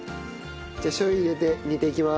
じゃあしょう油入れて煮ていきます。